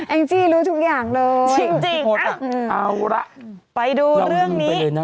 แอ้งจี้รู้ทุกอย่างเลยที่โทรค่ะเอาละไปดูเรื่องนี้นี้